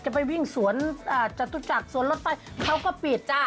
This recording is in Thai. ไปวิ่งสวนจตุจักรสวนรถไปเขาก็ปิดจ้า